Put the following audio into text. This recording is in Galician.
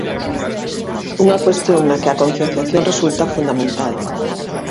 Unha cuestión na que a concienciación resulta fundamental.